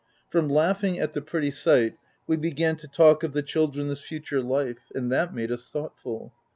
From laughing at the pretty sight, we began to talk of the children's future life ; and that made us thoughtful.